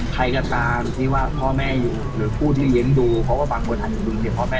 ใครก็ตามพี่ว่าพ่อแม่อยู่หรือผู้ที่เย็นดูเพราะว่าบางคนทันอยู่บุญเศียบของแม่